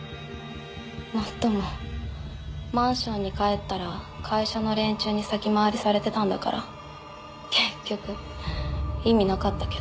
もっともマンションに帰ったら会社の連中に先回りされてたんだから結局意味なかったけど。